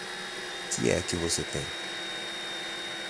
Que é que você tem?